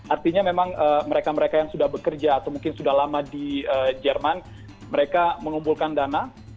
artinya memang mereka mereka yang sudah bekerja atau mungkin sudah lama di jerman mereka mengumpulkan dana